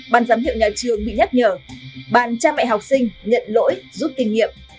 ban giám hiệu nhà trường bị nhắc nhở bàn cha mẹ học sinh nhận lỗi rút kinh nghiệm